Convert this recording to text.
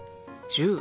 １０。